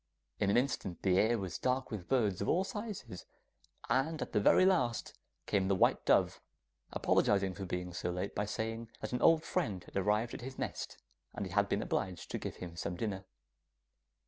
In an instant the air was dark with birds of all sizes, and at the very last came the white dove, apologising for being so late by saying that an old friend had arrived at his nest, and he had been obliged to give him some dinner.